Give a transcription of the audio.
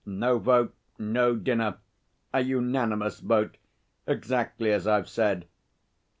No vote, no dinner. A unanimous vote exactly as I've said.